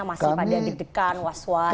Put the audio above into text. masih pada di dekan was was